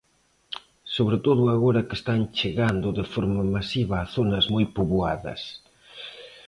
Sobre todo agora que están chegando de forma masiva a zonas moi poboadas.